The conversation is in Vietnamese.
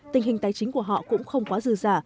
tình hình tài chính của họ cũng không quá dư giả